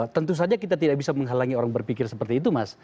tentu saja kita tidak bisa menghalangi orang berpikir seperti itu mas